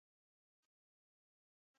بزګرانو وسلې او نظم نه درلود.